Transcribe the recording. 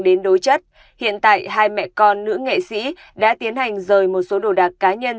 đến đối chất hiện tại hai mẹ con nữ nghệ sĩ đã tiến hành rời một số đồ đạc cá nhân